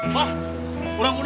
pak kurang mudah pak woy